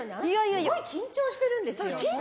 すごい緊張しているんですよ。